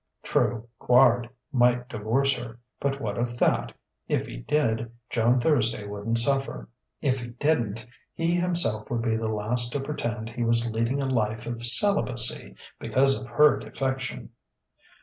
True, Quard might divorce her. But what of that? If he did, Joan Thursday wouldn't suffer. If he didn't, he himself would be the last to pretend he was leading a life of celibacy because of her defection.